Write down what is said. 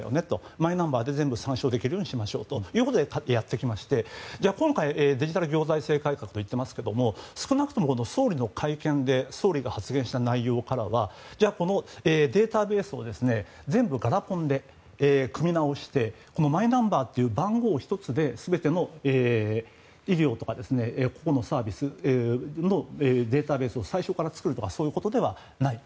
マイナンバーで全部参照できるようにしようということでやってきて今回、デジタル行財政改革といってますけども少なくとも総理の会見で総理が発言した内容からはじゃあ、このデータベースを全部ガラコンで組み直してマイナンバーという番号１つで医療とか個々のサービスのデータベースを最初から作るとかそういうことではないと。